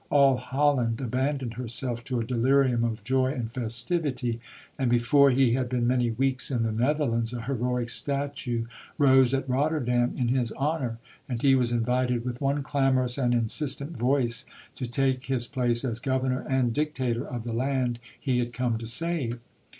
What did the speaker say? All Holland abandoned herself to a delirium of joy and festivity, and before he had been many weeks in the Netherlands a heroic statue rose at Rotterdam in his honour; and he was invited with one clamorous and insistent voice to take his place as governor and dictator of the land he had come to save.